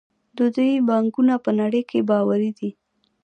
د دوی بانکونه په نړۍ کې باوري دي.